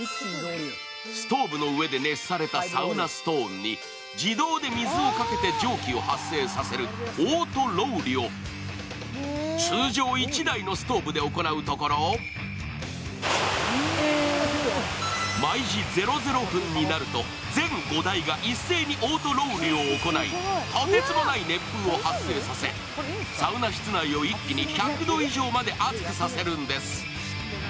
ストーブの上で熱されたサウナストーンに自動で水をかけて蒸気を発生させるオートロウリュを通常１台のストーブで行うところ、毎時００分になると全５台が一斉にオートロウリュを行い、とてつもない熱風を発生させサウナ室内を一気に１００度以上まで熱くさせるんです。